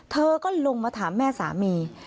เธอก็ลงมาถามแม่สามี